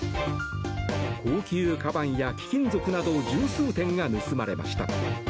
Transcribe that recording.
高級かばんや貴金属など１０数点が盗まれました。